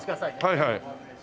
はいはい。